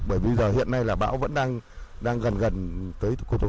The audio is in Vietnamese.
bởi vì giờ hiện nay là bão vẫn đang gần gần tới cô tô